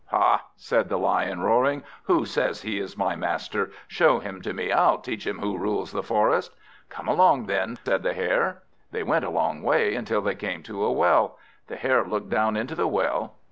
"Ha!" said the Lion, roaring; "who says he is my master? Show him to me. I'll teach him who rules the forest." "Come along then," said the Hare. They went a long way, until they came to a well. The Hare looked down into the well.